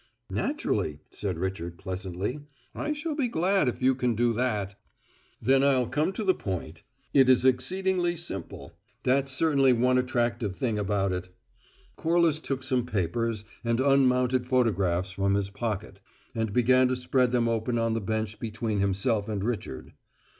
"Naturally," said Richard pleasantly, "I shall be glad if you can do that." "Then I'll come to the point. It is exceedingly simple; that's certainly one attractive thing about it." Corliss took some papers and unmounted photographs from his pocket, and began to spread them open on the bench between himself and Richard.